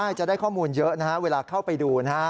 ใช่จะได้ข้อมูลเยอะนะฮะเวลาเข้าไปดูนะฮะ